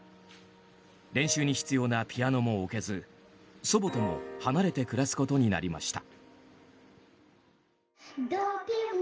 練習に必要なピアノも置けず祖母とも離れて暮らすことになりました。